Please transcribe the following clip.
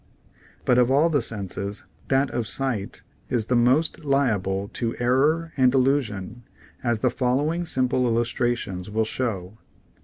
But of all the senses, that of sight is the most liable to error and illusion, as the following simple illustrations will show.